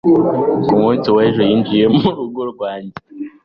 Ku munsi w'ejo, yinjiye mu rugo rwanjye.